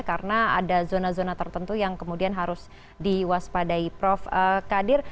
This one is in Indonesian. karena ada zona zona tertentu yang kemudian harus diwaspadai prof kadir